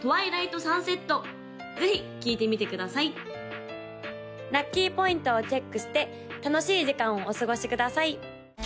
ぜひ聴いてみてください・ラッキーポイントをチェックして楽しい時間をお過ごしください！